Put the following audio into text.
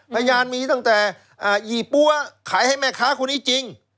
พยานมีตั้งแต่ยี่ปั้วขายให้แม่ค้าคนนี้จริง